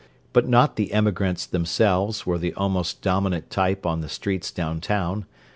But not the emigrants, themselves, were the almost dominant type on the streets downtown.